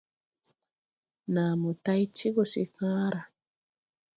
Naa mo tay ti gɔ se kããra.